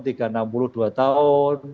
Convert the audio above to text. tiga ratus enam puluh dua tahun